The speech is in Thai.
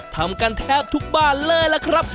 ทำกันแทบทุกบ้านเลยล่ะครับ